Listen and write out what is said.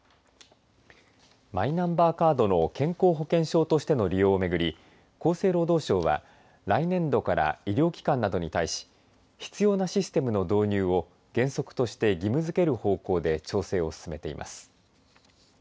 マイナンバーカードの健康保険証としての利用をめぐり厚生労働省は、来年度から医療機関などに対し必要なシステムの導入を原則として義務づける方向で調整を進めています。